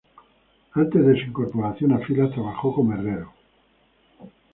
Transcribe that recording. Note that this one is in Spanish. Antes de su incorporación a filas trabajó como herrero.